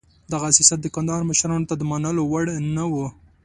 دغه سیاست د کندهار مشرانو ته د منلو وړ نه و.